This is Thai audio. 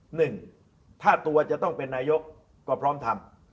หนึ่งถ้าตัวจะต้องเป็นนายกก็พร้อมทำ